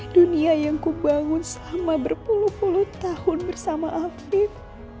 dunia yang kubangun selama berpuluh puluh tahun bersama afif